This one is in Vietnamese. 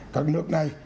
các nước này